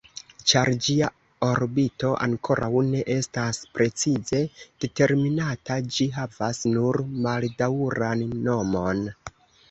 Ĉar ĝia orbito ankoraŭ ne estas precize determinata, ĝi havas nur maldaŭran nomon.